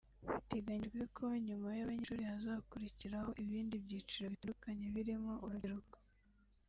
Biteganyijwe ko nyuma y’abanyeshuri hazakurikiraho ibindi byiciro bitandukanye birimo urubyiruko